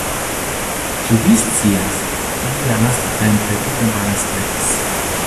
Ĉu vi scias, mi ja lasttempe tute malesperis!